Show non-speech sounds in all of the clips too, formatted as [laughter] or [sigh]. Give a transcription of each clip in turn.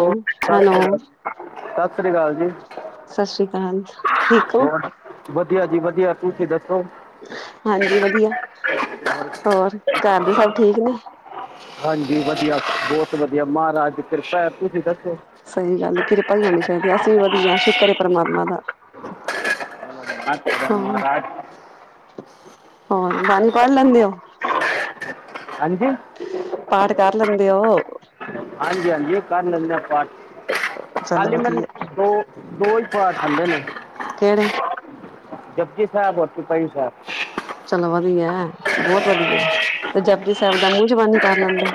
ਹੋਰ, ਸਤਿ ਸ਼੍ਰੀ ਅਕਾਲ ਜੀ, ਸਤਿ ਸ਼੍ਰੀ ਅਕਾਲ ਜੀ। ਸਤਿ ਸ਼੍ਰੀ ਅਕਾਲ। ਠੀਕ ਹੋ? ਹੋਰ ਵਧੀਆ ਜੀ, ਵਧੀਆ ਤੁਸੀਂ ਦੱਸੋ? ਹਾਂਜੀ ਵਧੀਆ ਹੋਰ ਘਰ ਦੇ ਸਭ ਠੀਕ ਨੇ। ਹਾਂਜੀ, ਵਧੀਆ ਬਹੁਤ ਵਧੀਆ ਮਹਾਰਾਜ ਕਿਰਪਾ। ਤੁਸੀਂ ਦੱਸੋ‌? ਸਹੀ ਗੱਲ ਕਿਰਪਾਈ ਹੋਣੀ ਚਾਹੀਦੀ ਹੈ। ਅਸੀਂ ਵੀ ਵਧੀਆ ਸ਼ੁਕਰ ਏ ਪ੍ਰਮਾਤਮਾ ਦਾ। ਹਾਂ ਮਹਾਰਾਜ ਹੋਰ ਬਾਣੀ ਪੜ ਲੈਂਦੇ ਹੋ। ਹਾਂਜੀ। ਪਾਟ ਕਾਰ ਲੈਂਦੇ ਉਹ। ਹਾਂਜੀ-ਹਾਂਜੀ ਕਰ ਲੈਂਦੇ ਹਾਂ ਪਾਠ। ਚਲੋ ਖਾਲੀ ਮੈੂੰਨ ਵਧੀਆ। ਦੋ-ਦੋ ਹੀ ਪਾਠ ਆਂਦੇ ਨੇ। ਕਿਹੜੇ? ਜਪਜੀ ਸਾਹਿਬ, ਰ ਚੋਪਾਹੀ ਸਾਹਿਬ। ਚਲੋ ਵਧੀਆ ਬਹੁਤ ਵਧੀਆ। ਤੇ ਜਪਜੀ ਸਾਹਿਬ ਦਾ ਮੂੰਹ ਜਬਿਨੀ ਕਰ ਲੈਂਦੇ ਹੋ।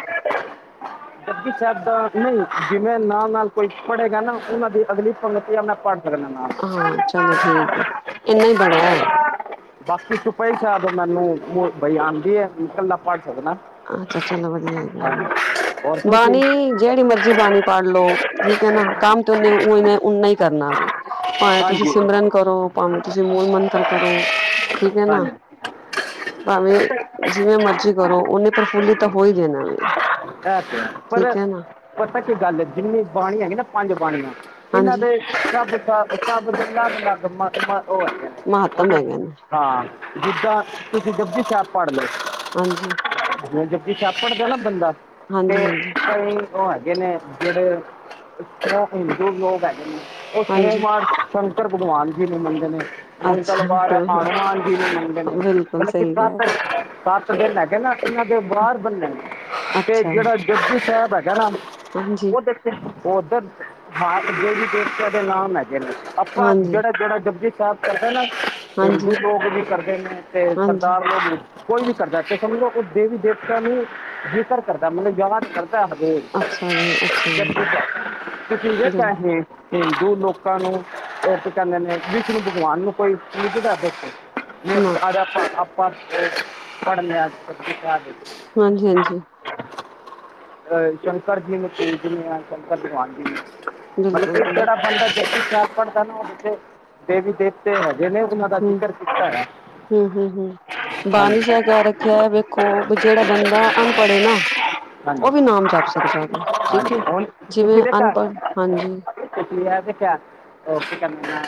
ਜਪਜੀ ਸਾਹਿਬ ਦਾ ਨਹੀਂ ਜਿਵੇਂ ਨਾਲ -ਨਾਲ ਕੋਈ ਪੜ੍ਹੇਗਾ ਨਾ ਉਹਨਾਂ ਦੀ ਅਗਲੀ ਪੰਗਤੀ ਮੈ ਪੜ ਠੰਡ ਪਾ, ਠੰਡ ਹਾਂ ਚਲੋ ਠੀਕ ਹੈ। ਪਾ। ਇੰਨਾ ਹੀ ਬੜਾ ਹੈ। ਬਾਕੀ ਚੋਪਈ ਸਾਹਿਬ ਮੈਨੂੰ ਮੂੰਹ ਜ਼ਬਾਨੀ ਆਉਂਦੀ ਹੈ ਕਲਾ ਪੜ ਸਕਦਾ ਹਾਂ। ਅੱਛਾ ਚਲੋ ਵਧੀਆ ਹੈਗਾ ਔਰ ਵ। ਤੁਸੀਂ ਬਾਣੀ ਜਿਹੜੀ ਮਰਜ਼ੀ ਬਾਣੀ ਪੜ ਲਓ। ਠੀਕ ਹੈ, ਨਾ ਕੰਮ ਤੇ ਓਨੇ ਉਨਾ ਹੀ ਕਰਨਾਵੇ। ਭਾਵੇਂ ਤੁਸੀਂ ਹਾਂਜੀ ਸਿਮਰਨ ਕਰੋ, ਭਾਵੇਂ ਤੁਸੀਂ ਮੂਲ ਮੰਤਰ ਕਰੋ। ਠੀਕ ਹੈ ਨਾ। ਹਾਂਜੀ ਭਾਵੇਂ ਜਿਵੇਂ ਮਰਜੀ ਕਰੋ, ਓਨੇ ਪ੍ਰਫੁੱਲਿਤ ਹੋ ਹੀ ਜਾਨਾ ਐ। ਪਰ ਪਤਾ ਕੀ ਗੱਲ ਜਿੰਨੀ ਬਾਣੀ ਹੈਗੀ ਨਾ ਪੰਜ ਬਾਣੀਆਂ। ਇਹਨਾਂ ਹਾਂਜੀ ਦੇ ਸਭ, ਸਭ ਦੇ ਅਲੱਗ -ਅਲੱਗ ਮਧ ਉਹ ਨੇ। ਮਹਾਤਮ, ਹੁਣ ਹੈਗੇ ਨੇ ਹਾਂ, ਜਿੱਦਾਂ ਤੁਸੀਂ ਚੋਪਈ ਸਾਹਿਬ, ਪੜ ਰਹੇ ਹਾਂਜੀ ਜਪੁਜੀ ਸਾਹਿਬ, ਪੜਦਾ ਨਾ ਬੰਦਾ ਤੇ ਹਾਂਜੀ ਹਾਂਜੀ ਕਈ ਉਹ ਹੈਗੇ ਨੇ ਜਿਹੜੇ ਇਸ ਤਰ੍ਹਾਂ ਹਿੰਦੂ ਲੋਕ ਹੈਗੇ ਨੇ। ਉਹ ਹਾਂਜੀ ਸੋਮਵਾਰ, ਸ਼ੰਕਰ ਭਗਵਾਨ ਜੀ ਨੂੰ ਮੰਨਦੇ ਨੇ ਅੱਛਾ ਮੰਗਲਵਾਰ ਹਾਂ ਹਾਂ ਹਨੂੰਮਾਨ ਜੀ ਨੂੰ, ਮੰਨਦੇ ਨੇ ਬਿਲਕੁਲ ਮਤਲਬ ਕਿ ਸਹੀ ਕਿਹਾ ਸਤ ਦਿਨ ਹੇਗੇ ਨੇ, ਇਹਨਾਂ ਦੇ ਵਾਰ ਬੰਨੇ ਤੇ ਅੱਛਾ ਜਿਹੜਾ, ਜਪੁਜੀ ਜੀ ਸਾਹਿਬ ਹੈਗਾ ਨਾ ਹਾਂਜੀ ਉਹ ਦੇਖ ਉਧਰ, ਹਰ ਦੇਵੀ ਦੇਵਤਿਆਂ ਦੇ ਨਾਮ, ਹੈਗੇ ਨੇ ਆਪਾਂ, ਹਾਂਜੀ ਜਿਹੜਾ ਜਿਹੜਾ ਜਪੁਜੀ ਸਾਹਿਬ ਕਰਦਾ, ਨਾ ਹਿੰਦੂ ਹਾਂਜੀ ਲੋਕ ਵੀ, ਕਰਦੇ ਨੇ ਤੇ ਹਾਂਜੀ ਸਰਦਾਰ ਕੋਈ ਵੀ ਕਰਦਾ, ਤੇ ਸਮਝੋ ਕੋ ਦੇਵੀ ਦੇਵਤਾ ਨੂੰ, ਜ਼ਿਕਰ ਕਰਦਾ ਮਤਲਬ ਯਾਦ, ਕਰਦਾ ਤੁਸੀਂ ਅੱਛਾ ਜੀ ਅੱਛਾ ਜੀ ਜਪਜੀ ਬਿਲ ਸਾਹਿਬ ਦੇ [inaudible] ਹਿੰਦੂ ਲੋਕਾਂ ਨੂੰ, ਕੀ ਕਹਿੰਦੇ ਨੇ ਵਿਸ਼ਨੂੰ ਭਗਵਾਨ ਨੂੰ, ਕੋਈ ਪੂਜਦਾ ਨਾ ਅੱਜ ਆਪਾਂ ਆਪਾਂ ਪੜ੍ਹ ਲਿਆ ਜਪੁਜੀ ਸਹਿਬ ਹਾਂਜੀ-ਹਾਂਜੀ, ਅਹ, ਸ਼ੰਕਰ ਜੀ ਨੂੰ ਭੇਜਦੇ, ਐ ਸ਼ੰਕਰ ਭਗਵਾਨ ਜੀ। ਮਤਲਬ ਕਿ, ਬਿਲਕੁਲ ਜਿਹੜਾ ਬੰਦਾ ਜਪੁਜੀ ਸਹਿਬ ਪੜਦਾ ਨਾ, ਉਂਥੇ ਦੇਵੀ ਦੇਵਤੇ ਹੈਗੇ ਨੇ ਉਹਨਾਂ ਦਾ ਜ਼ਿਕਰ ਕੀਤਾ ਹੈ ਹੂੰ-ਹੂੰ-ਹੂੰ-ਹੂੰ, ਬਾਣੀ ਹਾਂਜੀ ਚ ਐ ਕਹਿ ਜਿਹ ਵੇਖੋ, ਵੀ ਜਿਹੜਾ ਬੰਦਾ ਅਨਪੜ ਏ ਨਾ ਹਾਂਜੀ ਉਹ ਵੀ, ਨਾਮ ਜਪ ਸਕਦਾ ਏ, ਵੀ ਠੀਕ ਹਾਂਜੀ ਹੈ, ਜਿਵੇਂ ਅਨਪੜ੍ਹ ਹਾਂਜੀ ਓਥੇ ਪੀ ਆਇਆ ਚਾਹ, ਉਹ ਕੀ ਕਰਨਾ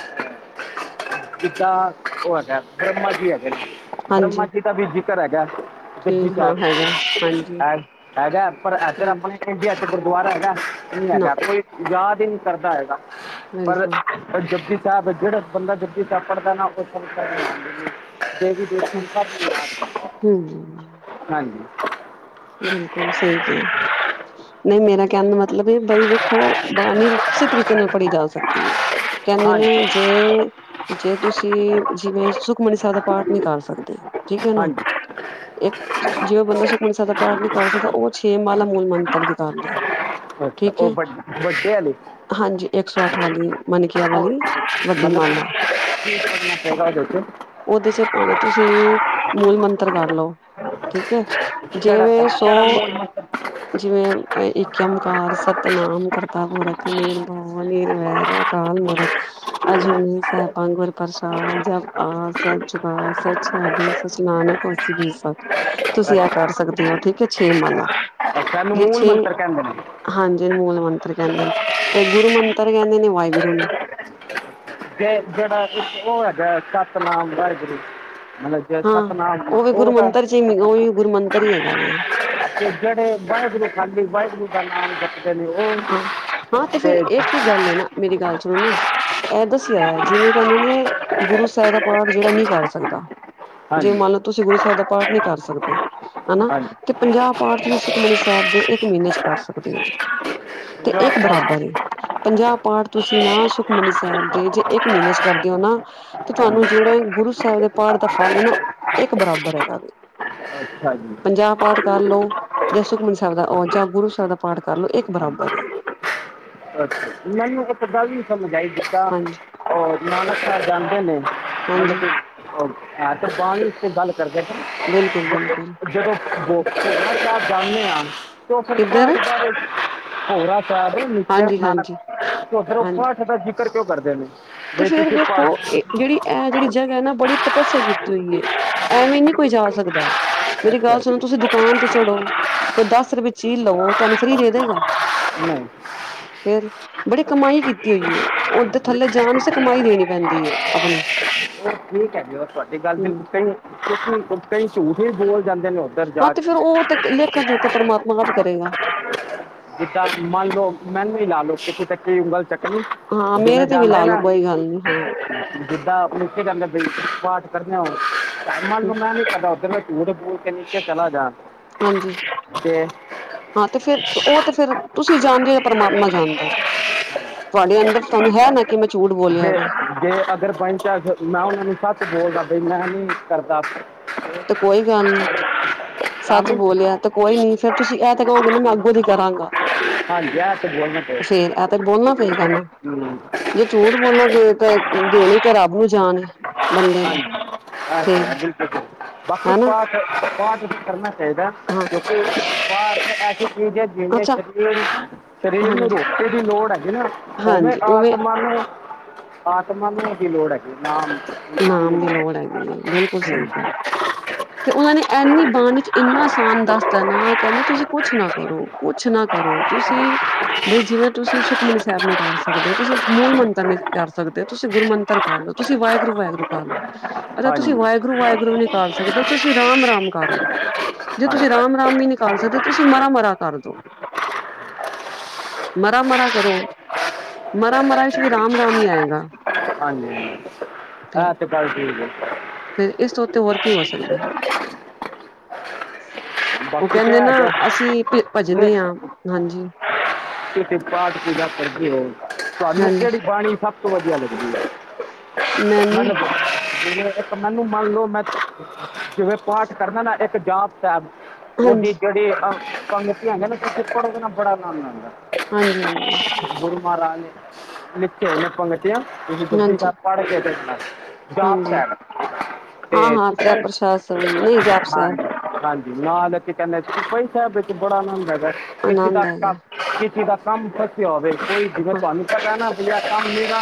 ਕਿਦਾਂ ਉਹ ਹੈਗਾ, ਬ੍ਰਹਮ ਜੀ ਹੈਗੇ ਨੇ ਬ੍ਰਹਮਾ ਹਾਂਜੀ ਜੀ ਦਾ ਵੀ, ਜਿਕਰ ਹੈਗਾ ਜੀ ਠੀਕ ਹਾਂ ਹੈਗਾ ਹਾਂਜੀ। ਹੈਗਾ, ਪਰ ਏਧਰ ਹਾਂਜੀ ਆਪਣੇ ਗੁਰਦੁਆਰਾ ਹੈਗਾ, ਇਹ ਨੀ ਨਾ ਹੈਗਾ ਕੋਈ ਯਾਦ, ਹੀ ਕਰਦਾ ਹੈਗਾ ਪਰ ਬਿਲਕੁਲ ਜਪੁਜੀ ਸਾਹਿਬ, ਜਿਹੜਾ ਬੰਦਾ ਜਪੁਜੀ ਸਾਹਿਬ, ਪੜ੍ਹਦਾ ਨਾ ਉਹ ਹਾਂਜੀ, ਹੂੰ [inaudible] ਬਿਲਕੁਲ ਸਹੀ ਜਿਓ, ਨਹੀਂ ਮੇਰਾ ਕਹਿਣ ਮਤਲਬ, ਬਈ ਵੇਖੋ, ਬਾਣੀ ਕਿਸੇ ਤਰੀਕੇ ਨਾਲ ਪੜ੍ਹੀ ਜਾ ਸਕਦੀ, ਹੈ ਕਹਿੰਦੇ ਹਾਂਜੀ ਨੇ ਜੇ, ਜੇ ਤੁਸੀਂ, ਜਿਵੇਂ ਸੁਖਮਨੀ ਸਾਹਿਬ ਦਾ ਪਾਠ, ਨਹੀਂ ਕਰ ਸਕਦੇ, ਠੀਕ ਹੈ ਨਾ ਹਾਂਜੀ ਇੱਕ ਜਿਵੇਂ ਬੰਦਾ, ਸੁਖਮਨੀ ਸਾਹਿਬ ਦਾ ਪਾਠ ਨਹੀਂ ਕਰ ਸਕਦਾ, ਉਹ ਛੇ ਮਾਲਾ ਮੂਲ ਮੰਤਰ ਦੀ, ਕਰ ਲੈ ਅੱਛਾ, ਉਹ ਵੱ ਵੱਡੇ ਵਾਲੇ, ਹਾਂਜੀ, ਇੱਕ ਸੌ ਅੱਠ ਮਨਕਿਆ ਵਾਲੀ ਵੱਡੀ, ਮਾਲਾ ਠੀਕ ਕਰਨਾ ਪਊਗਾ। [inaudible] ਉਹਦੇ ਚ, ਭਾਵੇਂ ਤੁਸੀਂ ਮੂਲ ਮੰਤਰ ਕਰ ਲਓ। ਠੀਕ ਹੈ, ਕਿਹੜਾ ਜਿਵੇਂ ਸੋ ਜਿਵੇ ਏਓਮਕਾਰ ਸਤਿਨਾਮ ਕਰਤਾ ਪੁਰਖ ਨਿਰ ਭਉ ਨਿਰਵੈਰ ਅਕਾਲ ਮੂਰਤਿ ਅਜੁਨੀ ਸੈਭੰ ਗੁ ਪ੍ਰਸ਼ਾਦ, ਜਪ ਆਦਿ ਸਚ, ਜੁਗਦਿ ਸੱਚ, ਹੈ ਭਿ ਸੱਚ, ਨਾਨਕ ਹੋਸੀ ਭਿ ਸੱਚ ਤੁਸੀਂ, ਇਹ ਅੱਛਾ, ਕਰ ਸਕਦੇ ਹੋ ਠੀਕ ਏ, ਛੇ ਮਾਲਾ ਅੱਛਾ ਨੂੰ ਜੇ ਮੂਲ ਛੇ ਮੰਤਰ ਹਾਂਜੀ ਉਨੂੰ ਮੂਲ ਮੰਤਰ ਕਹਿੰਦੇ ਨੇ, ਤੇ ਗੁਰੂ ਮੰਤਰ ਕਹਿੰਦੇ ਨੇ ਵਾਹਿਗੁਰੂ, ਨੂੰ ਤੇ ਜਿਹੜਾ, ਇੱਕ ਉਹ ਹੈਗਾ, ਸਤਿਨਾਮ ਵਾਹਿਗੁਰੂ ਮਤਲਬ,? ਜਿਹੜਾ ਸਤਿਨਾਮ, ਉਹ ਤਾਂ ਜੀ ਉਹੀ ਗੁਰੂ ਮੰਤਰ, ਹੀ ਹੈਗਾ ਏ। ਜਿਹੜੇ ਵਾਹਿਗੁਰੂ, ਖਾਲੀ ਵਾਹਿਗੁਰੂ, ਦਾ ਨ ਉਹ ਹਾਂ ਹਾਂ ਤੇ ਫੇਰ ਸ [inaudible] ਇੱਕ ਹੀ ਗੱਲ ਨਾ ਮੇਰੀ ਗੱਲ ਸੁਣੋ ਨਾ, ਇਹ ਦੱਸਿਆ ਹੋਇਆ ਜਿਵੇਂ, ਕਹਿੰਦੇ ਨੇ ਗੁਰੂ ਸਾਹਿਬ ਦਾ ਪਾਠ ਜਿਹੜਾ ਨਹੀਂ ਕਰ ਸਕਦਾ। ਜੇ ਹਾਂਜੀ ਮੰਨ ਲਓ, ਤੁਸੀਂ ਗੁਰੂ ਸਾਹਿਬ ਦਾ ਪਾਠ ਨਹੀ ਕਰ ਸਕਦੇ। ਹਨਾ ਹਾਂਜੀ ਤੇ ਪੰਜਾਹ ਪਾਠ ਤੁਸੀਂ ਸੁਖਮਨੀ ਸਾਹਿਬ ਦੇ ਇੱਕ ਮਹੀਨੇ ਚ ਕਰ ਸਕਦੇ ਹੋ। ਤੇ ਇੱਕ ਬਰਾਬਰ ਏ, ਪੰਜਾਹ ਪਾਠ, ਤੁਸੀਂ ਨਾ ਸੁਖਮਨੀ ਸਾਹਿਬ ਦੇ, ਜੇ ਇੱਕ ਮਹੀਨੇ ਚ ਕਰਦੇ ਹੋ ਨਾ, ਤੇ ਤੁਹਾਨੂੰ, ਜਿਹੜਾ ਗੁਰੂ ਸਾਹਿਬ ਦੇ ਪਾਠ ਦਾ ਫਲ ਹੈ, ਨਾ ਇੱਕ ਬਰਾਬਰ ਹੈਗਾ ਵੇ। ਅੱਛਾ ਜੀ, ਜਾਂ ਪਾਠ ਕਰਲੋ, ਜਾਂ ਸੁਖਮਨ ਸਾਹਿਬ ਦਾ ਆ ਜਾਂ ਗੁਰੂ ਸਾਹਿਬ ਦਾ ਪਾਠ ਕਰ ਲੋ ਇੱਕ ਬਰਾਬਰ, ਅੱਛਾ। ਮੈਨੂੰ ਉਦਾ ਵੀ ਸਮਝ ਆਈ, ਜਿਦਾ ਹਾਂਜੀ ਉਹ ਨਾਨਕ ਸਾਹਿਬ ਜਾਂਦੇ ਨੇ। ਹਾਂਜੀ ਮਤਲਬ ਕਾਂਗ ਗੱਲ, ਕਰ ਜਦੋਂ ਬਿਲਕੁਲ ਬਿਲਕੁਲ ਚਾਰ ਜਾਨੇ ਆ। ਫਿਰ ਕਿੱਧਰ ਪਾਠ ਕਰ, ਭੋਰਾ ਸਾਹਿਬ ਨੀਚੇ ਹਾਂਜੀ ਨਾਨਕ ਹਾਂਜੀ ਉਧਰ ਉਹ ਹਾਂਜੀ ਪਾਠ ਦਾ ਜ਼ਿਕਰ ਕਿਉਂ ਕਰਦੇ ਨੇ? ਤੇ ਬਈ ਫੇਰ ਤੁਸੀਂ ਵੇਖੋ, ਪਾਠ ਇਹ ਜਿਹੜੀ ਇਹ ਜਿਹੜੀ ਜਗ੍ਹਾ ਹੈ, ਨਾ ਬੜੀ ਤਪੱਸਿਆ ਕੀਤੀ ਹੋਈ ਹੈ ਐਵੇਂ ਨੀ ਕੋਈ ਜਾ ਸਕਦਾ। ਮੇਰੀ ਅੱਛਾ ਗੱਲ ਸੁਣੋ, ਜੀ, ਤੁਸੀਂ ਦੁਕਾਨ ਤੇ ਚੜੋ ਕੋਈ ਦਸ ਰੁਪਏ ਚੀਜ਼ ਲਵੋ ਤੁਹਾਨੂੰ ਫ੍ਰਰੀ ਦੇ ਦੇਗਾ। ਨਹੀ, ਫੇਰ ਬੜੀ ਕਮਾਈ ਕੀਤੀ ਹੋਈ ਏ, ਉਧਰ ਥੱਲੇ ਜਾਣ ਕਮਾਈ ਦੇਣੀ ਪੈਂਦੀ ਹੈ, ਆਪਣੀ ਠੀਕ ਹੈ ਜੀ, ਹੋਰ ਤੁਹਾਡੀ ਗੱਲ ਹਮ ਬਿਲਕੁਲ ਸਹੀ ਕੁਤੇ ਝੂਠ ਹੀ ਬੋਲ ਜਾਂਦੇ ਨੇ ਔਰ ਹਾਂ, ਤੇ ਫੇਰ ਉਹ ਤੇ ਲੇਖਾਂ ਜੋਖਾ ਪ੍ਰਮਾਤਮਾ ਆਪ ਕਰੇਗਾ। ਜਿੱਦਾਂ ਮੰਨ ਲਓ, ਮੈਨੂੰ ਵੀ ਲਾ ਲੋ ਕਿਥੇ ਤੱਕੀ ਉਂਗਲ ਚੱਕ ਹਾਂ ਜਿਨਂ ਮੇਰੇ ਤੇ ਵੀ ਜਾਂਦੇ ਲਾ ਲਓ ਨਾ ਕੋਈ ਗੱਲ ਨੀ ਹਾਂ ਜਿੱਦਾਂ ਆਪਣੀ ਕਿ ਕਿਹਦੇ ਬਈ ਪਾਠ ਕਰਨੇ, ਓ ਮੰਨ ਲੂੰ ਮੈਂ ਨੀ ਕਰਦਾ, ਓਧਰ ਝੂਠ ਬੋਲ ਕੇ ਪਿਛੇ ਚਲਾ ਜਾਣ ਹਾਂਜੀ, ਹਾਂ, ਤੇ ਫਿਰ ਉਹ ਤੇ ਫਿਰ ਤੁਸੀਂ ਜਾਣਦੇ, ਜਾਂ ਪ੍ਰਮਾਤਮਾ ਜਾਣਦਾ। ਤੁਹਾਡੇ ਅੰਦਰ ਤੁਹਾਨੂੰ ਹੈ, ਨਾ ਕਿ ਮੈਂ ਝੂਠ ਜੇ ਬੋਲਿਆਵੇ। ਜੇ ਅਗਰ ਬਾਏ ਚਾਸ ਮੈਂ ਉਹਨਾਂ ਨੂੰ ਸੱਚ ਬੋਲਦਾ ਬਈ ਮੈਂ ਨੀ ਕਰਦਾ। ਤੇ ਕੋਈ ਗੱਲ ਨੀ, ਤਾਂ ਸੱਚ ਵੀ ਬੋਲਿਆ ਤੇ ਕੋਈ ਨੀ ਫੇਰ ਤੁਸੀਂ ਇਹ ਤੇ ਕਹੋਗੇ, ਮੈਂ ਅੱਗੋਂ ਦੀ ਕਰਾਂਗਾ। ਹਾਂਜੀ ਐ ਤੇ ਬੋਲਣਾ ਪਏ ਫੇਰ ਇਹ ਤੇ ਬੋਲਣਾ ਪਏ ਗਾ ਨਾ ਜੇ ਝੂਠ ਬੋਲੋਗੇ, ਤਾਂ ਦੇਣੀ ਤਾਂ ਰੱਬ ਨੂੰ ਜਾਨ ਏ। ਬੰਦੇ ਨੇ ਹਾਂਜੀ ਐ ਤੇ ਫੇਰ ਹੈ, ਬਿਲਕੁਲ ਬਸ ਹਨਾ ਪਾਠ-ਪਾਠ ਕਰਣਾ ਚਾਹੀਦਾ, ਹਾਂ ਕਿਉਂਕਿ ਪਾਠ ਇੱਕ ਐਸੀ ਚੀਜ਼ ਹੈ, ਜਿਵੇੇ ਅੱਛਾ ਸ਼ਕਤੀ ਸਰੀਰ ਨੂੰ ਹਾਂਜੀ ਰੋਟੀ ਦੀ ਲੋੜ ਹੈਗੀ ਨਾ, ਉਵੇਂ ਆਤਮਾ ਨੂੰ ਹਾਂ ਆਤਮਾ ਓਦੀ ਲੋੜ ਹੈਗੀ, ਨਾਮ ਦੀ ਨਾਮ ਦੀ ਲੋੜ ਹੈਗੀ ਹੈ, ਬਿਲਕੁਲ ਸਹੀ ਗੱਲ। ਤੇ ਉਹਨਾਂ ਨੇ ਇਨੀ ਬਾਂਣੀ ਵਿੱਚ ਇੰਨਾ ਆਸਾਨ ਦੱਸ ਦੇਣਾ, ਕਹਿੰਦੇ ਤੁਸੀਂ ਕੁਛ ਨਾ ਕਰੋ। ਕੁਛ ਨਾ ਕਰੋ, ਤੁਸੀਂ ਬਈ ਜਿਵੇਂ ਤੁਸੀਂ ਸੁ ਸਾਹਿਬ ਨੀ ਕਰ ਸਕਦੇ, ਤੁਸੀਂ ਮੂਲ ਮੰਤਰ ਨਹੀਂ ਕਰ ਸਕਦੇ, ਤੁਸੀਂ ਗੁਰੂ ਮੰਤਰ ਕਰ ਲਓ, ਤੁਸੀਂ ਵਾ ਵਾਹਿਗੁਰੂ, ਵਾਹਿਗੁਰੂ ਕਰ ਲਓ। ਅੱਛਾ ਤੁਸੀਂ ਹਾਂਜੀ ਵਾਹਿਗੁਰੂ, ਵਾਹਿਗੁਰੂ ਨੀ ਕਰ ਸਕਦੇ ਉਹ ਤੁਸੀਂ ਰਾਮ, ਰਾਮ ਕਰ ਲਓ, ਜੇ ਤੁਸੀਂ ਹਾਂਜੀ ਰਾਮ, ਰਾਮ ਵੀ ਨੀ ਕਰ ਸਕਦੇ ਹੋ ਤੁਸੀਂ ਮਰਾ, ਮਰਾ ਕਰਦੋ। ਮਰਾ, ਮਰਾ ਕਰੋ ਮਰਾ, ਮਰਾ ਵਿੱਚ ਵੀ ਰਾਮ, ਰਾਮ ਹੀ ਆਏਗਾ। ਹਾਂਜੀ ਹਾਂ, ਐ ਤੇ ਗੱਲ ਠੀਕ ਏ ਫਿਰ ਇਸ ਤੋਂ ਉੱਤੇ ਹੋਰ ਕੀ ਹੋ ਸਕਦਾ। ਉਹ ਬਾਕੀ ਤੇ ਕਹਿੰਦੇ ਹੈ ਨਾ ਅਸੀਂ ਭੱਜਦੇ ਹਾਂਜੀ। ਕਿਸੇ ਪਾਠ ਪੂਜਾ ਕਰਦੇ ਹੋ ਤੁਹਾਨੂੰ ਹਾਂਜੀ ਕਿਹੜੀ ਬਾਣੀ ਸਭ ਤੋਂ ਵਧੀਆ ਲੱਗਦੀ ਹੈ। ਮੈਨੂੰ ਹੈਲੋ [unintelligible] ਮੈਨੂੰ ਮੰਨ ਲਓ ਮੈਂ ਜੀਵੇ ਪਾਠ ਕਰਨਾ ਨਾ ਇੱਕ ਜਾਪ ਸਾਹਿਬ ਹਾਂਜੀ ਉਹਦੀ ਜਿਹੜੀ ਅਹ ਪੰਗਤੀ ਆ ਨਾ ਤੁਸੀ ਪੜ੍ਹ ਕੇ ਆਨੰਦ ਆਦਾ। ਹਾਂਜੀ, ਹਾਂਜੀ ਗੁਰੂ ਮਹਾਰਾਜ ਨੇ ਲਿਖੀਆਂ ਹੋਈਆਂ ਨੇ ਪੰਗਤੀਆਂ ਤੁਸੀਂ ਜਪਜੀ ਹਾਂਜੀ ਸਹਿਬ ਪੜ ਕੇ ਵੇਖਣਾ। ਜਾਪ ਹਾਂਜੀ ਸਾਹਿਬ ਤੇ ਹਾਂ ਹਾਂ ਤ੍ਰੈ ਚੋਪਾਈ ਪ੍ਰਸ਼ਾਦ ਸਵਈ ਨਹੀਂ ਜਾਪ ਸਾਹਿਬ ਹਾਂਜੀ। ਹਾਂਜੀ, ਨਾਲ ਲਾਕੇ ਕਹਿੰਦੇ ਸੀ, ਚੌਪਈ ਸਾਹਿਬ ਵਿੱਚ ਬੜਾ ਆਨੰਦ ਹੈਗਾ, ਕਿਉਂਕਿ ਆਨੰਦ ਦਸ ਹੈਗਾ ਤੱਕ ਜਿਦਾ ਕੰਮ ਫੱਸੇ ਹੋਵੇ, ਕੋਈ ਜਿਵੇਂ ਹਾਂ ਤੁਹਾਨੂੰ ਪਤਾ ਨਾ ਜੜਾ ਕੰਮ ਮੇਰਾ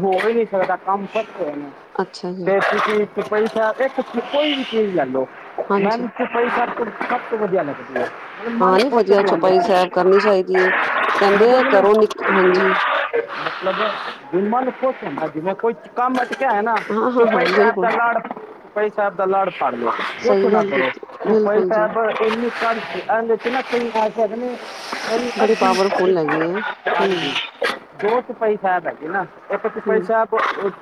ਹੋ ਵੀ ਨਹੀਂ ਸਕਦਾ, ਕੰਮ ਫਸੇ ਹੋਏ ਨੇ ਅੱਛਾ ਜੀ ਤੇ ਤੁਸੀਂ ਚੋਪਈ ਸਾਹਿਬ ਇਕ ਉਥੇ ਕੋਈ ਵੀ ਚੀਜ਼ ਲੈ ਲਓ ਹਾਂਜੀ ਮੈਨੂੰ ਤੇ ਚੌਪਈ ਸਾਹਿਬ ਸਭ ਤੋਂ ਵਧੀਆ ਲੱਗਦੀ ਏ ਮਨ ਹਾਂ ਨੀ ਬਹੁਤ ਖੁਸ਼ ਵਧੀਆ ਜਿਹਾ ਚੌਪਾਈ ਸਾਹਿਬ ਹੁੰਦਾ। ਕਰਨੀ ਚਾਹੀਦੀ ਹੈ। ਕਹਿੰਦੇ ਮਤਲਬ, ਕਰੋ ਨ ਹਾਂਜੀ ਮਤਲਬ ਮਨ ਖੁਸ਼ ਹੁੰਦਾ ਜਿਵੇਂ ਕੋਈ ਕੰਮ ਵਧੀਆ ਹੈ ਨਾ ਹਾਂ ਹਾਂ ਚੋਪਈ ਹਾਂ ਸਾਹਿਬ ਬਿਲਕੁਲ ਕਰਨਾ ਹੋਰ ਚੋਪਈ ਸਾਹਿਬ ਦਾ ਲਾੜ ਫਾੜ ਲੋ ਕੁਛ ਸਹੀ ਨਾ ਗੱਲ ਕਰੋ ਕੀਤੀ ਤੂੰ ਚੋਪਈ ਬਿਲਕੁਲ ਸਾਹਿਬ ਜੀ ਤੂੰ ਵੀ ਪੜ ਇਹਦੇ ਚ ਨਾ ਕਈ ਐਸੇ ਹੈਗੇ ਨੇ ਕਈ [unintelligible] ਬੜੀ ਹਾਂਜੀ ਪਾਵਰਫੁਲ ਹੈਗੀ ਹੈ ਹਮ ਦੋ ਚੋਪਈ ਸਾਹਿਬ ਹੈਗੀ ਨਾ ਇੱਕ ਚੋਪਈ ਹਮ ਸਾਹਿਬ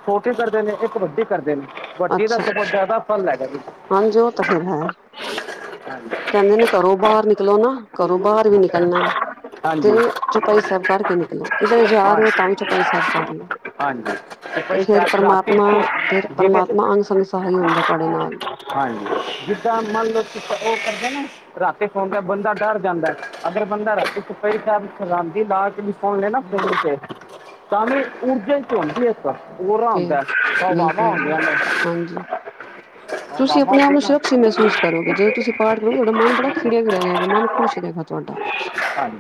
ਛੋਟੀੇ ਕਰਦੇ ਨੇ ਇੱਕ ਵੱਡੀ ਕਰਦੇ ਨੇ ਵਡੀ ਦਾ ਅੱਛਾ ਸਗੋ ਜਾਦਾ ਫ਼ਲ ਹੈਗ ਜੇ ਹਾਂਜੀ ਉਹ ਤਾਂ ਫਿਰ ਹੈ ਕਹਿੰਦੇ ਨੇ ਘਰੋਂ ਬਾਹਰ ਨਿਕਲੋ ਨਾ ਘਰੋਂ ਬਾਹਰ ਵੀ ਨਿਕਲਣਾ ਤੇ ਹਾਂਜੀ ਚੁਪਈ ਸਾਹਿਬ ਕਰਕੇ ਨਿਕਲੋ ਕਿਧਰ ਜਾ ਰਹੇ ਹਾਂਜੀ ਹੋ ਤਾਂ ਵੀ ਚੁਪਈ ਸਾਹਿਬ ਕਰ ਲਾ। ਹਾਂਜੀ ਤੇ ਚੁਪਈ ਫਿਰ ਸਾਹਿਬ ਰਾਤ ਪ੍ਰਮਾਤਮਾ ਫਿਰ ਜਿਵੇਂ ਪ੍ਰਮਾਤਮਾ ਅੰਗ ਸੰੰਗ ਸਹਾਇ ਹੁੰਦਾ ਤੁਹਾਡੇ ਨਾਲ। ਹਾਂਜੀ ਜਿੱਦਾਂ ਮੰਨ ਲਓ ਕਿ ਉਹ ਕਰਦੇ ਨੇ ਰਾਤੀ ਸੌਦਾ ਬੰਦਾ ਡਰ ਜਾਂਦਾ ਹੈ। ਅਗਰ ਬੰਦਾ ਰਾਤੀ ਸੁਤਾ ਚੁਪਈ ਸਾਹਿਬ ਰਾਤੀ ਲਾ ਕੇ ਵੀ ਸੁਣ ਲਏ ਫੋਨ ਤੇ ਤਾਵੀ ਉਰਜ ਹੁੰਦੀ ਇੱਕ ਉਹਰਾ ਫੇਰ ਹੁੰਦਾ ਹੈ ਹਵਾਵਾਂ ਬਿਲਕੁਲ ਜੀ ਹੁੰਦੀਆ ਨੇ ਹਾਂਜੀ ਤੁਸੀਂ ਮਾਮਾ ਆਪਣੇ ਆਪ ਦੇ ਨੂੰ ਸੁਰੱਖਸ਼ਿਤ ਮਹਿਸੂਸ ਕਰੋਗੇ ਜਦੋਂ ਤੁਸੀਂ ਪਾਠ ਕਰੋਗੇ ਤੁਹਾਡਾ ਮਨ ਬੜਾ ਖਿੜਿਆ ਖਿੜਿਆ ਰਹੇਗਾ। ਮਨ ਖੁਸ਼ ਰਹੇਗਾ ਤੁਹਾਡਾ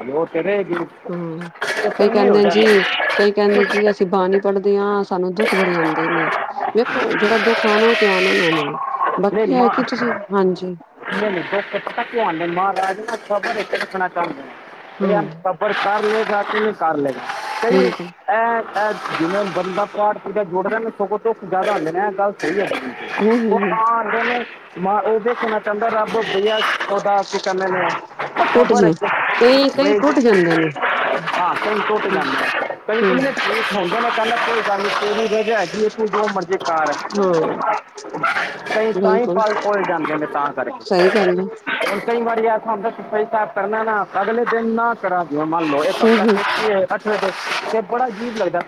ਜੋਤ ਤੇ ਰਹੇਗੀ। ਹੂ,,, ਤੇ ਕਹਿੰਦੇ ਜੀ ਤੇ ਕਹਿੰਦੇ ਜੀ ਅਸੀਂ ਬਾਣੀ ਪੜ੍ਹਦੇ ਹਾਂ ਸਾਨੂੰ ਦੁੱਖ ਬੜੇ ਆਉਂਦੇ ਨੇ। ਵੇਖੋ ਜਿਹੜਾ ਦੁੱਖ ਆਣਾ ਉਹ ਤੇ ਆਣਾ ਹੀ ਆਣਾ। ਬਾਕੀ ਆ ਕੀ ਤੁਸੀਂ ਹਾਂਜੀ ਨਹੀਂ ਨਹੀਂ ਦੁੱਖ ਤੱਕ ਆਂਦੇ ਮਹਾਰਾਜ ਸਬਰ ਰੱਖਣਾ ਆਪਣਾ ਕੰਮ ਹਾਂ ਇਹ ਸਬਰ ਕਰ ਲੇ ਰਾਤ ਨੂੰ ਸਰ ਲੇ ਇਹ ਬਿਲਕੁਲ ਇਹ ਜਿਵੇਂ ਬੰਦਾ ਪਾਠ ਪੂਜਾ ਜੁੜਦਾ ਨਾ ਸਗੋਂ ਦੁੱਖ ਜ਼ਿਆਦਾ ਹੁੰਦੇ ਨੇ। ਇਹ ਗੱਲ ਸਹੀ ਹੈਗੀ ਹਮ ਉਹ ਹਮ ਤਾਂ ਹਮ ਆਂਦੇ ਨੇ ਮੈ ਉਹ ਦੇਖਣਾ ਚਾਹੁੰਦਾ ਰੱਬ ਭੀ ਆ ਉਹਦਾ ਕਿ ਕਹਿੰਦੇ ਨੇ ਟੁੱਟ ਸਬਰ ਜੇ ਵਿਚ ਕਈ ਕਈ ਟੁੱਟ ਜਾਂਦੇ ਨੇ ਹਮ [unintelligible] [unintelligible] ਹੂ,,, ਕਈ ਤਾਂ ਹੀ ਫਲ ਫੁੱਲ ਜਾਂਦੇ ਨੇ ਤਾਂ ਕਰਕੇ ਸਹੀ ਗੱਲ ਹੈ ਕਈ ਵਾਰੀ ਐਸਾ ਹੁੰਦਾ ਚੁਪਈ ਸਾਹਿਬ ਕਰਨਾ ਨਾ ਅਗਲੇ ਦਿਨ ਨਾ ਕਰਾ ਜਿਵੇ ਮੰਨ ਲੋ ਇੱਕ ਹੂੰ ਹਫ਼ਤਾ ਹੂੰ। ਪੁਛ ਹੀ ਏ ਅੱਛਾ ਅੱਛਾ ਤੇ ਬੜਾ ਅਜੀਬ ਲੱਗਦਾ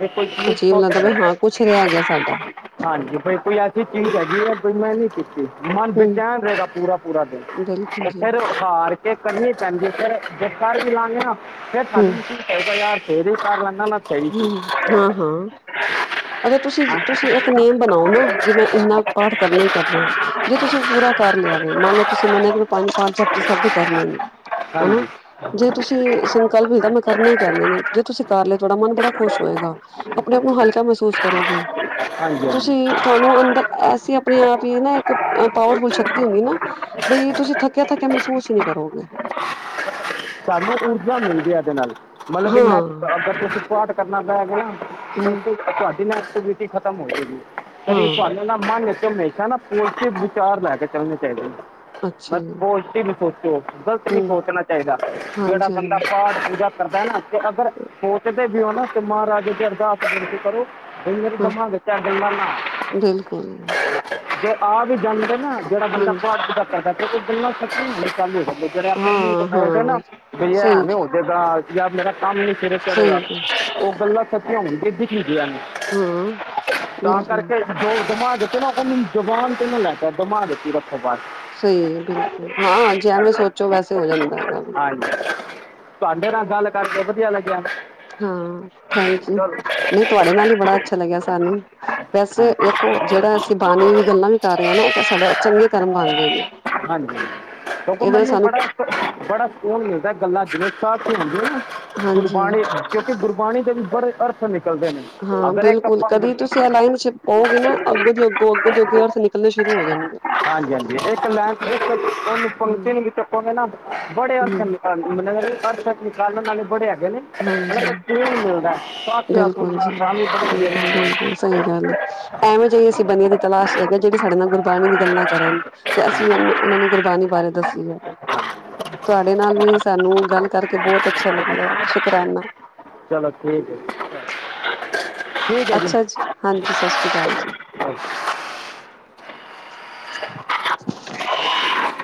ਅਜੀਵ ਲੱਗਦਾ ਪਿਆ ਹਾਂ ਕੁਛ ਰਹਿ ਗਿਆ ਸਾਡਾ ਹਾਂਜੀ ਬਈ ਕੋਈ ਐਸੀ ਚੀਜ਼ ਹੈਗੀ ਹੈ ਜੌ ਮੈਂ ਨੀ ਕੀਤੀ ਮਨ ਹਮ ਬੇਚੈਨ ਰਹਿ ਗਾ ਪੂਰਾ ਪੂਰਾ ਦਿਨ ਬਿਲਕੁਲ ਤੇ ਜੀ ਫਿਰ ਹਾਰ ਕੇ ਕਰਨੀ ਪੈਂਦੀ ਫਿਰ ਜੇ ਕਾਰ ਚਲਾਨੀ ਫਿਰ ਸਾਨੂੰ ਹਮ ਵੀ [unintelligible] ਕਰ ਲੈਨਾ ਹਮ ਹਾਂ ਹਾਂ ਅਗਰ ਤੁਸੀਂ, ਹਾਂ ਤੁਸੀਂ ਇੱਕ ਨਿਯਮ ਬਣਾਓ ਨਾ ਕਿ ਮੈਂ ਇੰਨਾ ਪਾਠ ਕਰਨਾ ਹੀ ਕਰਨਾ। ਜੇ ਤੁਸੀਂ ਉਹ ਪੂਰਾ ਕਰ ਲਿਆਵੇ, ਮੰਨ ਲਓ ਤੁਸੀਂ ਮੰਨਿਆ ਕਿ ਪੰਜ ਪਾਠ ਜਪੁਜੀ ਸਾਹਿਬ ਦੇ ਕਰਨੇ ਨੇ। ਹਨਾ ਹਾਂਜੀ। ਜੇ ਤੁਸੀਂ ਸੰਕਲਪ ਲਿਤਾਂ ਮੈਂ ਕਰਨੇ ਹੀ ਕਰਨੇ ਨੇ ਜੇ ਤੁਸੀਂ ਕਰ ਲਿਤ ਮਨ ਬੜਾ ਖੁਸ਼ ਹੋਏਗਾ ਆਪਣੇ ਆਪ ਨੂੰ ਹਲਕਾ ਮਹਿਸੂਸ ਕਰੋਗੇ। ਹਾਂਜੀ ਹਾਂਜੀ ਤੁਸੀਂ ਕਿ ਤੁਹਾਨੂੰ ਅੰਦਰ ਐਸੀ ਆਪਣੇ ਆਪ ਹੀ ਨਾ ਇੱਕ ਪਾਵਰਫੁਲ ਸ਼ਕਤੀ ਹੁੰਦੀ ਨਾ ਬਈ ਤੁਸੀਂ ਥੱਕਿਆ ਥੱਕਿਆ ਮਹਿਸੂਸ ਹੀ ਨਹੀਂ ਕਰੋਗੇ। ਸਾਨੂੰ ਊਰਜਾ ਮਿਲਦੀਆਂ ਇਹਦੇ ਨਾਲ ਮਤਲਬ ਕਿ ਹਾਂ ਮੈ ਅਗਰ ਤੁਸੀਂ ਪਾਠ ਕਰਨਾ ਤਾਂ ਹੈਗਾ ਹੀ ਹੈ। ਹੂੰ ਤੇ ਤੁਹਾਡੀ ਐਕਸਡਟੀ ਖਤਮ ਹੋ ਜੇਗੀ। ਕਦੀ ਹਾਂ ਤੁਹਾਨੂੰ ਨਾ ਮੰਨ ਵਿਚ ਹਮੇਸ਼ਾ ਨਾ ਪੋਜ਼ੀਟਿਵ ਵਿਚਾਰ ਲੈ ਕੇ ਚੱਲਣੇ ਚਾਹੀਦੇ ਨੇ। ਅੱਛਾ ਬੱਸ ਜੀ ਪੋਜ਼ੀਟਿਵ ਹੀ ਸੋਚੋ, ਗ਼ਲਤ ਨੀ ਹੂੰ ਸੋਚਣਾ ਚਾਹੀਦਾ। ਜਿਹੜਾ ਹਾਂਜੀ ਬੰਦਾ ਹਾਂਜੀ ਪਾਠ ਪੂਜਾ ਕਰਦਾ ਨਾ ਤੇ ਅਗਰ ਸੋਚਦੇ ਵੀ ਹੋ ਨਾ ਤੇ ਮਹਾਰਾਜ ਅੱਗੇ ਅਰਦਾਸ ਬੇਨਤੀ ਕਰੋ। ਕਈ ਵਾਰੀ ਹਾਂ ਦਿਮਾਗ ਵਿਚ ਇਹ ਗਲਾਂ ਨਾ ਬਿਲਕੁਲ ਆਣ, ਜੇ ਆ ਵੀ ਜਾਂਦੇ ਨਾ ਜਿਹੜਾ ਬੰਦਾ ਹਾਂਜੀ ਪਾਠ ਪੂਜਾ ਕਰਦਾ ਪਿਆ ਉਹਦੀਆ ਗਲਾਂ ਸੱਚਿਆ ਹੋਣਇਆ ਚਾਲੁ ਹੋ ਜਾਣਦਿਆ ਜਿਹੜੀਆ ਆਪਣੇ ਮੂੰਹ ਤੋ ਹਾਂ ਬੋਲ ਠੀਕ ਹੇ ਨਾ, ਹਾਂ ਭਈਆ ਹੈ ਸਹੀ ਨੀ ਹੁਣ ਜਿਦਾ ਯਰ ਮੇਰਾ ਕੰਮ ਨੀ ਸਿਰੇ ਸਹੀ ਚੜਿਆ, ਹੈ ਉਹ ਗੱਲਾਂ ਸੱਚੀਆਂ ਹੋਣਗਿਆ ਦਿਖਾਇਆ ਨੇ ਹਾਂ ਤਾਂ ਬਿਲਕੁਲ ਕਰਕੇ। ਜੋ ਦਿਮਾਗ ਵਿਚ ਨਾ ਉਹ ਨੂੰ ਜਬਾਨ ਤੈਅ ਨਾ ਲੈਕੇ ਦਮਾਗ ਵਿਚ ਇਹ ਰਖੇ ਬਸ ਸਹੀ ਬਿਲਕੁਲ ਹਾਂ ਜਿਵੇਂ ਸੋਚੋ ਵੈਸੇ ਹੋ ਜਾਂਦਾ ਹੈਗਾ। ਵੀ। ਹਾਂਜੀ ਤੁਹਾਡੇ ਨਾਲ ਗੱਲ ਕਰਕੇ ਵਧੀਆ ਲੱਗਿਆ। ਹਾਂ ਥੈਂਕ ਯੂ ਚਲੋ ਨਹੀਂ ਤੁਹਾਡੇ ਨਾਲ ਹੀ ਬੜਾ ਅੱਛਾ ਲੱਗਿਆ ਸਾਨੂੰ। ਵੈਸੇ ਦੇਖੋ ਜਿਹੜਾ ਅਸੀਂ ਬਾਣੀ ਦੀ ਗੱਲਾਂ ਵੀ ਕਰ ਰਹੇ ਹਾਂ ਨਾ ਇੱਕ ਸਾਡੇ ਚੰਗੇ ਕਰਮ ਬਣ ਰਹੇ ਨੇ। ਹਾਂਜੀ, ਦੇਖੋ ਇਹਦੇ ਨਾਲ ਮੈਨੂੰ ਸਾਨੂੰ ਬੜਾ ਬੜਾ ਸਕੂਨ ਮਿਲਦਾ ਗੱਲਾਂ ਚ ਜਿਵੇ ਸਾਖੀ ਹੁੰਦੀਆਂ ਨਾ ਹਾਂਜੀ ਗੁਰਬਾਣੀ ਕਿਉਂਕਿ ਗੁਰਬਾਣੀ ਦੇ ਵੀ ਬੜੇ ਅਰਥ ਨਿਕਲਦੇ ਨੇ। ਹਾਂ ਅਗਰ ਇੱਕ ਬਿਲਕੁਲ ਕਦੀ ਤੁਸੀਂ ਇਹ ਲਾਈਨ ਚ ਪਾਓਗੇ ਨਾ ਅੱਗੋਂ ਦੀ ਅੱਗੋਂ ਅੱਗੋਂ ਦੇ ਅੱਗੇ ਅਰਥ ਨਿਕਲਣੇ ਸ਼ੁਰੂ ਹੋ ਜਾਣਗੇ। ਹਾਂਜੀ, ਹਾਂਜੀ ਇੱਕ ਲਾਈਨ ਵਿਚ ਹੂੰ ਉਹਨੂੰ ਜਪੋ ਗੇ ਨਾ ਬੜੇ ਅਰਥ ਹੂੰ ਨੀਕਲਣ ਗੇ। ਹਾਂਜੀ, ਅਰਥ ਨਿਕਾਲਨ ਵਾਲੇ ਬੜੇ ਹੈਗੇ ਨੇ, ਬੜਾ ਹਾਂਜੀ ਸਕੂਨ ਮਿਲਦਾ ਬਿਲਕੁਲ ਜੀ ਬਿਲਕੁਲ [inaudible] ਬਿਲਕੁਲ ਸਹੀ ਗੱਲ ਐਵੇ ਜੇ ਅਸੀਂ ਬੰਦੇ ਦੀ ਤਲਾਸ਼ ਕਰਦੇ ਜਿਹੜੇ ਸਾਡੇ ਨਾਲ ਗੁਰਬਾਣੀ ਦੀ ਗੱਲਾਂ ਕਰਨ। ਤੇ ਅਸੀਂ ਵੀ ਉਹਨੇ ਉਹਨਾਂ ਨੂੰ ਗੁਰਬਾਣੀ ਬਾਰੇ ਦੱਸੀ ਦਾ। ਤੁਹਾਡੇ ਨਾਲ ਵੀ ਸਾਨੂੰ ਗੱਲ ਕਰਕੇ ਬਹੁਤ ਅੱਛਾ ਲੱਗਿਆ ਸ਼ੁਕਰਾਨਾ। ਚਲੋ ਠੀਕ ਹੈ ਜੀ। ਠੀਕ ਅੱਛਾ ਜੀ, ਹਾਂਜੀ, ਸਤਿ ਸ਼੍ਰੀ ਅਕਾਲ ਜੀ। ਸਤਿ [inaudible]